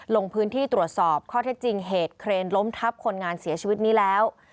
ลงพื้นที่ตรวจสอบข้อเท็จจริงเหตุเครนล้มทับคนงานเสียชีวิตนี้แล้ว